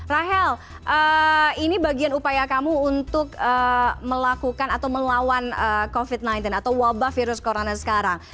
rahel ini bagian upaya kamu untuk melakukan atau melawan covid sembilan belas atau wabah virus corona sekarang